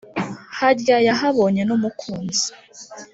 harya yahabonye n’umukunzi